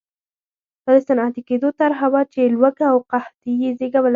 دا د صنعتي کېدو طرحه وه چې لوږه او قحطي یې وزېږوله.